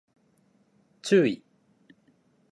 注意